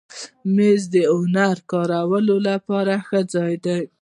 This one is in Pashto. مېز د هنري کارونو لپاره ښه ځای دی.